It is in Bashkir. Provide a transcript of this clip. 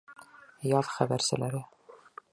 Яҙ хәбәрселәре